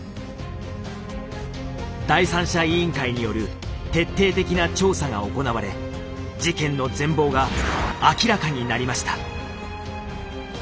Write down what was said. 第三者委員会による徹底的な調査が行われ事件の全貌が明らかになりました。